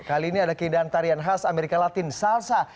kali ini ada keindahan tarian khas amerika latin salsa